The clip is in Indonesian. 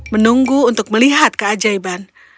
menunggu untuk melihat keajaiban